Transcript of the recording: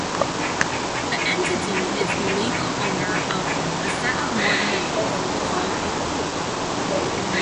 The entity is the legal owner of a set of mortgages, called a "pool".